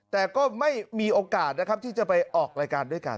แต่ก็ไม่มีโอกาสนะครับที่จะไปออกรายการด้วยกัน